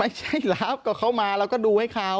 ไม่ใช่รับกับเขามาเราก็ดูให้เขา